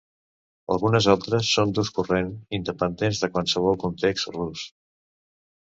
Algunes altres són d'ús corrent, independents de qualsevol context rus.